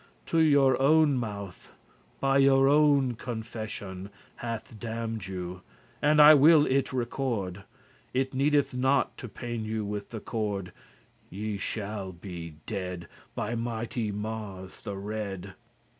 Your own mouth, by your own confession Hath damned you, and I will it record; It needeth not to pain you with the cord; Ye shall be dead, by mighty Mars the Red.